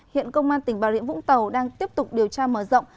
hiện công an tỉnh bà rịa vũng tàu đang tiếp tục điều tra mở rộng